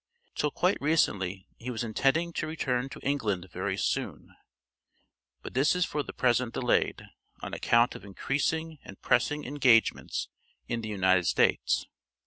Till quite recently he was intending to return to England very soon, but this is for the present delayed, on account of increasing and pressing engagements in the United States.